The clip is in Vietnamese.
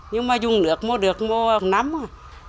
nhưng mà dùng nước mua được một năm rồi